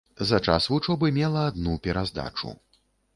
За час вучобы мела адну пераздачу.